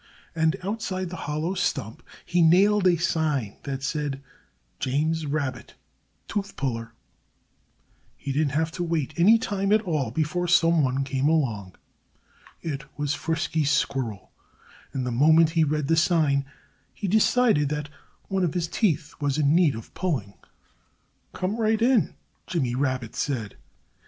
And outside the hollow stump he nailed a sign that said: JAMES RABBIT TOOTH PULLER He didn't have to wait any time at all before some one came along. It was Frisky Squirrel. And the moment he read the sign he decided that one of his teeth was in need of pulling. "Come right in!" Jimmy Rabbit said.